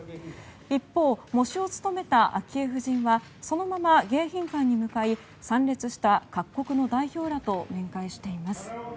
一方、喪主を務めた昭恵夫人はそのまま迎賓館に向かい参列した各国の代表らと面会しています。